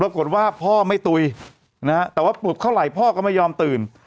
พ่อไม่ตุ๋ยนะฮะแต่ว่าปลุกเท่าไหร่พ่อก็ไม่ยอมตื่น